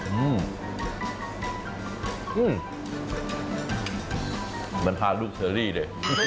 เหมือนทานลูกเชอรี่เลย